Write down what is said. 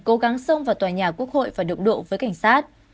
cố gắng xông vào tòa nhà quốc hội và động độ với cảnh sát